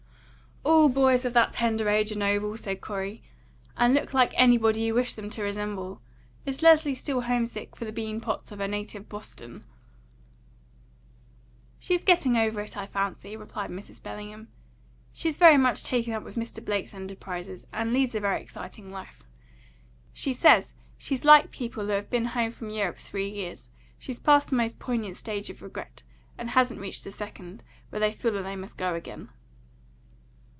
"All boys of that tender age are noble," said Corey, "and look like anybody you wish them to resemble. Is Leslie still home sick for the bean pots of her native Boston?" "She is getting over it, I fancy," replied Mrs. Bellingham. "She's very much taken up with Mr. Blake's enterprises, and leads a very exciting life. She says she's like people who have been home from Europe three years; she's past the most poignant stage of regret, and hasn't reached the second, when they feel that they must go again."